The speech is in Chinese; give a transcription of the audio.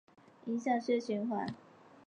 影响血液循环